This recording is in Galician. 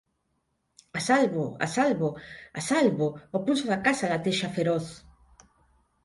“A salvo! A salvo! A salvo!” O pulso da casa latexa feroz.